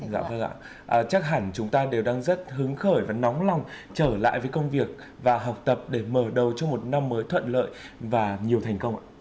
dạ vâng ạ chắc hẳn chúng ta đều đang rất hứng khởi và nóng lòng trở lại với công việc và học tập để mở đầu cho một năm mới thuận lợi và nhiều thành công ạ